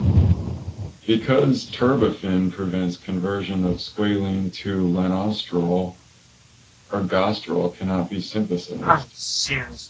Because terbinafine prevents conversion of squalene to lanosterol, ergosterol cannot be synthesized.